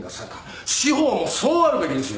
司法もそうあるべきですよ！